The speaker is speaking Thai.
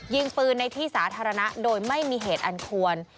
ยิงปืนในที่สาธารณะโดยไม่มีเหตุอันควร